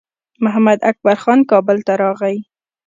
محمداکبر خان کابل ته راغی.